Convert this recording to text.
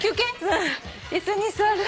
うん椅子に座る。